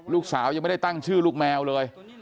ยังไม่ได้ตั้งชื่อลูกแมวเลย